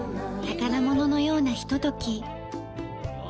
宝物のようなひととき。